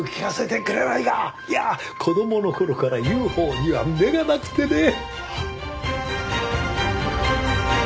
いや子供の頃からＵＦＯには目がなくてね。